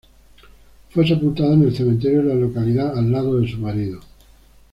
Fue sepultada en el cementerio de la localidad al lado de su marido.